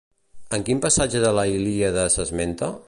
En quin passatge de la Ilíada s'esmenta?